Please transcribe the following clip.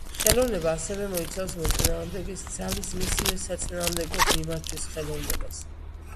ხელოვნება ასევე მოიცავს მოწინააღმდეგის ძალის მისივე საწინააღმდეგოდ მიმართვის ხელოვნებას.